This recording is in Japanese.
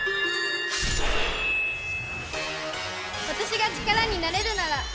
私が力になれるなら！